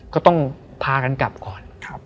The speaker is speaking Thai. ก็ต้องพากันกลับก่อน